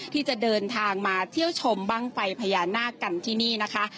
ที่จะเดินทางมาเที่ยวชมบ้างไฟพญานาคกันที่นี่นะคะ